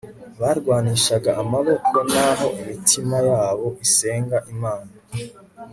barwanishaga amaboko naho imitima yabo isenga imana